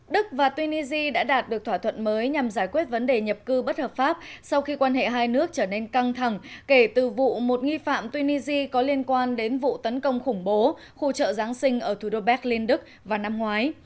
đức và tunisia đã đạt được thỏa thuận mới nhằm giải quyết vấn đề nhập cư bất hợp pháp sau khi quan hệ hai nước trở nên căng thẳng kể từ vụ một nghi phạm tunisia có liên quan đến vụ tấn công khủng bố khu chợ giáng sinh ở thủ đô berlin đức vào năm ngoái